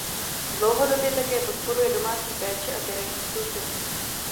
Dlouhodobě také podporuje domácí péči a terénní služby.